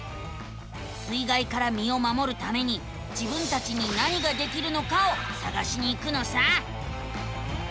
水がいからみをまもるために自分たちに何ができるのかをさがしに行くのさ。